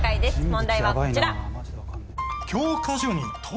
問題はこちら。